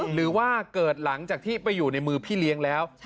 หรือว่าเกิดหลังจากที่ไปอยู่ในมือพี่เลี้ยงแล้ว